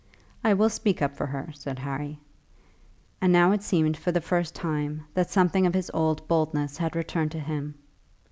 "I will speak up for her," said Harry; and now it seemed for the first time that something of his old boldness had returned to him.